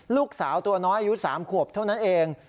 ลูกสาวตัวน้อยอายุ๓ขวบเท่านั้นเอง